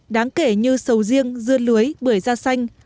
đáng kể như sầu riêng dưa lưới bưởi da xanh